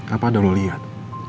apa ada lo liat